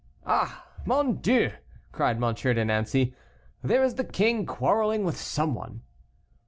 "Ah! mon Dieu!" cried M. de Nancey, "there is the king quarreling with some one."